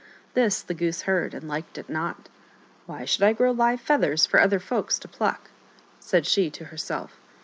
This the goose heard, and liked it not. " Why should I grow live feathers for other folks to pluck ?" said she to herself.